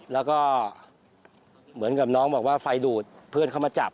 แล้วก็เหมือนกับน้องบอกว่าไฟดูดเพื่อนเขามาจับ